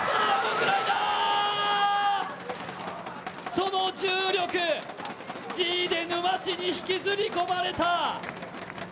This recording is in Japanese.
その重力、Ｇで沼地に引きずり込まれた。